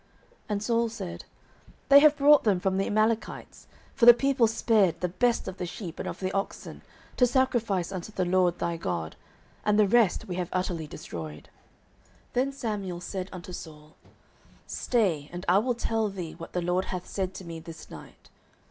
09:015:015 And Saul said, They have brought them from the Amalekites: for the people spared the best of the sheep and of the oxen, to sacrifice unto the LORD thy God; and the rest we have utterly destroyed. 09:015:016 Then Samuel said unto Saul, Stay, and I will tell thee what the LORD hath said to me this night.